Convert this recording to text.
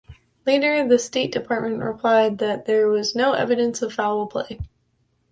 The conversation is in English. Later the State Department replied that there was no evidence of foul play.